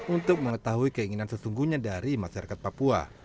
untuk mengetahui keinginan sesungguhnya dari masyarakat papua